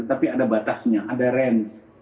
tapi ada batasnya ada range